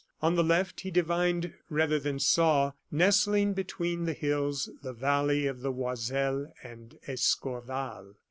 On the left, he divined rather than saw, nestling between the hills, the valley of the Oiselle and Escorval.